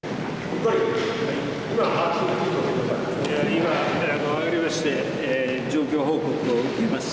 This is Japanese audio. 今、あがりまして状況報告を受けます。